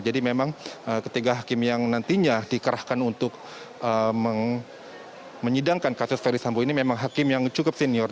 jadi memang ketiga hakim yang nantinya dikerahkan untuk menyidangkan kasus ferry sambu ini memang hakim yang cukup senior